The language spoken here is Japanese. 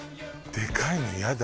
でかいのイヤだ。